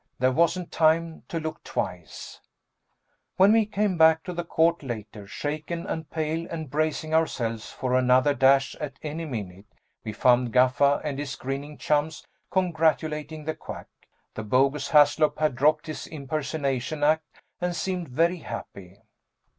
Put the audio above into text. There wasn't time to look twice. When we came back to the court later, shaken and pale and bracing ourselves for another dash at any minute, we found Gaffa and his grinning chums congratulating the Quack. The bogus Haslop had dropped his impersonation act and seemed very happy.